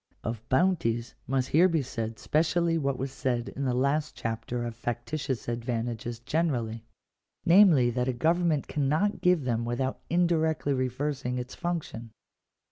Of bounties must here be said specially what was said in the last chapter of factitious advantages generally ; namely, that a government cannot give them without indirectly reversing its function.